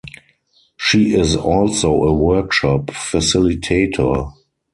She is also a workshop facilitator.